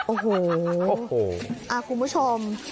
โอ้โหคุณผู้ชม